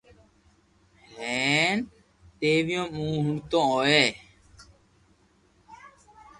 ھين دييون مون ھوڻتو ھوئي